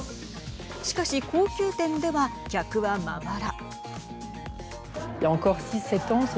しかし、高級店では客はまばら。